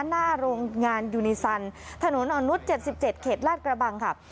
หน้าโรงงานยูนิซันถนนออนุส๗๗เขตลาดกระบังครับ